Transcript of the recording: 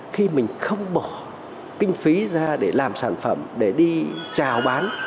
khi mình không bỏ kinh phí ra để làm sản phẩm để đi trào bán